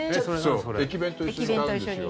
駅弁と一緒に買うんです。